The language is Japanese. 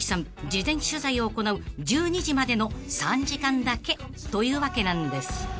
事前取材を行う１２時までの３時間だけというわけなんです］